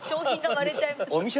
割れちゃいます。